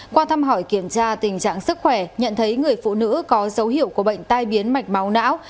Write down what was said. qua thăm hỏi kiểm tra tình trạng sức khỏe nhận thấy người phụ nữ có dấu hiệu của bệnh tai biến mạch máu não